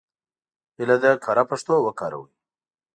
هیله ده کره پښتو وکاروئ.